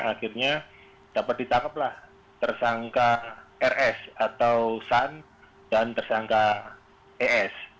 akhirnya dapat ditangkaplah tersangka rs atau san dan tersangka es